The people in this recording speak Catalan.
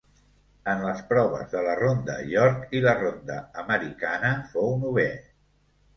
En les proves de la ronda York i la ronda americana fou novè.